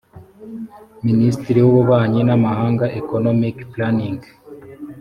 minisitiri w ububanyi n amahanga economic planning